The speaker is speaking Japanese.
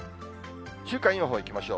週間予報いきましょう。